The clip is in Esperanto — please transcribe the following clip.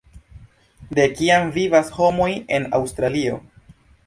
De kiam vivas homoj en Aŭstralio?